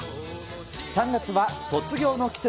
３月は卒業の季節。